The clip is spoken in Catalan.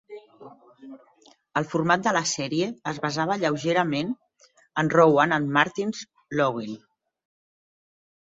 El format de la sèrie es basava lleugerament en Rowan and Martin's Laugh-In.